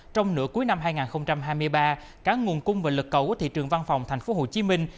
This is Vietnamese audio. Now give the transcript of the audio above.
trong nửa cuối năm hai nghìn hai mươi ba cả nguồn cung và lực cầu của thị trường văn phòng thành phố hồ chí minh